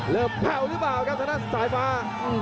เริ่มแพลวรึเปล่าครับธนาคันสายฟ้า